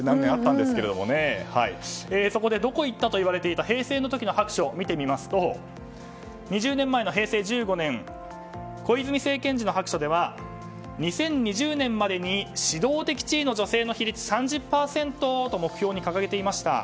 そこで、どこに行ったと言われていた平成の時の白書を見てみますと２０年前の平成１５年小泉政権時の白書では２０２０年までに指導的地位の女性の比率３０％と目標に掲げていました。